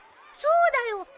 そうだよ。